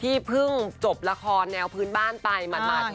ที่เพิ่งจบละครแนวพื้นบ้านไปมาส่วนละร้อน